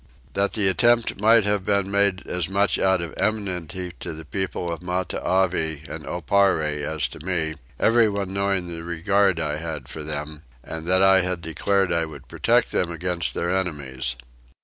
That the attempt might have been made as much out of enmity to the people of Matavai and Oparre as to me, everyone knowing the regard I had for them, and that I had declared I would protect them against their enemies.